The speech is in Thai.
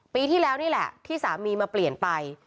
ปีที่แล้วนี่แหละที่สามีมาเปลี่ยนไป